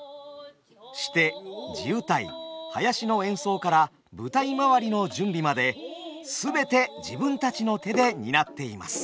シテ地謡囃子の演奏から舞台まわりの準備まで全て自分たちの手で担っています。